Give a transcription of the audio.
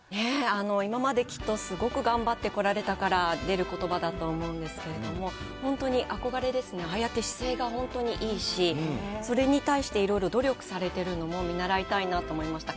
今まできっとすごく頑張ってこられたから出ることばだと思うんですけれども、本当に憧れですね、ああやって姿勢が本当にいいし、それに対していろいろ努力されてるのも見習いたいなと思いました。